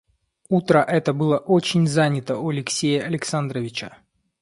Утро это было очень занято у Алексея Александровича.